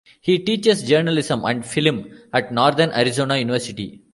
He teaches journalism and film at Northern Arizona University.